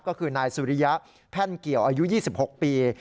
ก็คือนายสุริยะแพ่นเกี่ยวอายุ๒๖ปี